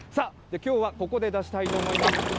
きょうはここで出したいと思います。